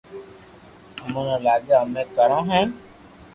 امو ني لاگي امي ڪرو ھين